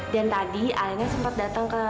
dan tadi halena sempat datang ke